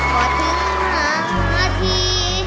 หมอถึงหมาที